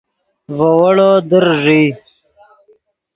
ڤے ویڑو در ݱئے